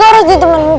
tapi gue harus ditemenin